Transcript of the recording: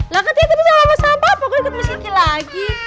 lah katanya tadi lah katanya tadi sama mas apa kok ikut mas iki lagi